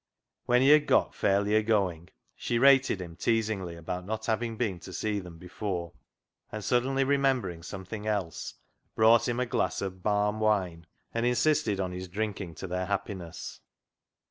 When he had got fairly agoing, she rated him teasingly about not having been to see them before, and suddenly remembering some thing else, brought him a glass of " balm " wine, and insisted on his drinking to their happiness.